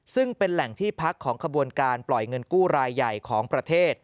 ซึ่งเป็นแหล่งที่พักของขบวนการปล่อยเงินกู้รายใหญ่ของประเทศ